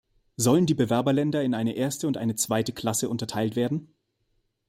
Sollen die Bewerberländer in eine erste und eine zweite Klasse unterteilt werden?